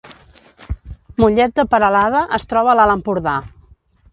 Mollet de Peralada es troba a l’Alt Empordà